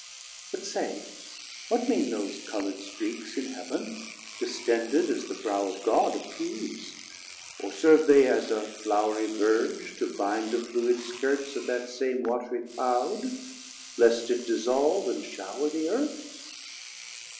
But say, what mean those colourd streaks in Heavn, Distended as the Brow of God appeas'd, Or serve they as a flourie verge to binde The fluid skirts of that same watrie Cloud, Least it again dissolve and showr the Earth?